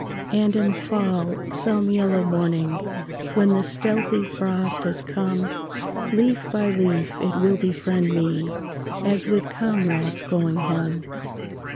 And in fall, some yellow morning, When the stealthy frost has come, Leaf by leaf it will befriend me As with comrades going home.